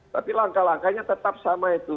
tapi langkah langkahnya tetap sama itu